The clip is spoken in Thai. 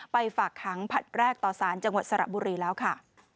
ฝากขังผลัดแรกต่อสารจังหวัดสระบุรีแล้วค่ะ